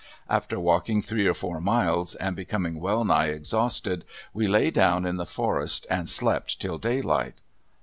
After walking three or four miles and becoming well nigh exhausted we lay down in the forest and slept till daylight.